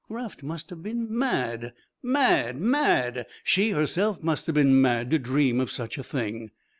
Raft must have been mad! mad! mad! She herself must have been mad to dream of such a thing.